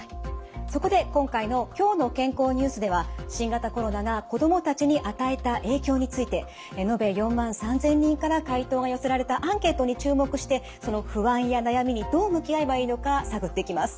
そこで今回の「きょうの健康ニュース」では新型コロナが子どもたちに与えた影響について延べ４万３，０００人から回答が寄せられたアンケートに注目してその不安や悩みにどう向き合えばいいのか探っていきます。